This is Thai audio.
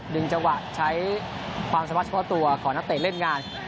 จังหวะใช้ความสามารถเฉพาะตัวของนักเตะเล่นงาน